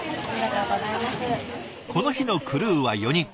この日のクルーは４人。